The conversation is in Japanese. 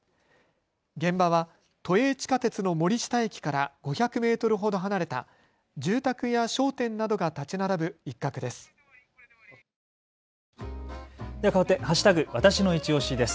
現場は都営地下鉄の森下駅から５００メートルほど離れた住宅や商店などが建ち並ぶ一角です。